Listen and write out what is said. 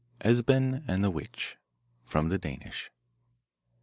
Esben and the Witch From the Danish.